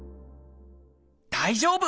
大丈夫！